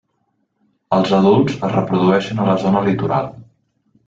Els adults es reprodueixen a la zona litoral.